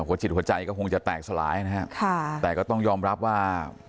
จิตหัวใจก็คงจะแตกสลายนะฮะค่ะแต่ก็ต้องยอมรับว่า